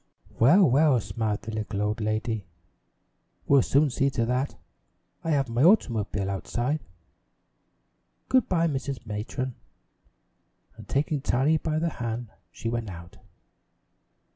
"Well, well," smiled the little old lady, "we'll soon see to that. I have my automobile outside. Good by, Mrs. Matron." And taking Tiny by the hand she went out.